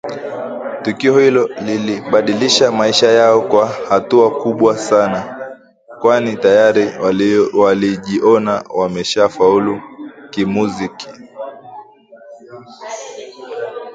Tukio hilo lilibadilisha maisha yao kwa hatua kubwa sana kwani tayari walijiona wameshafaulu kimuziki